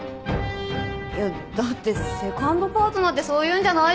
だってセカンドパートナーってそういうんじゃないでしょ？